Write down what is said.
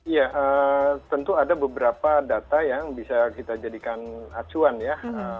ya tentu ada beberapa data yang bisa kita jadikan acuan ya